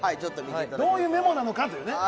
どういうメモなのかというね。